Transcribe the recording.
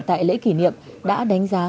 tại lễ kỷ niệm đã đánh giá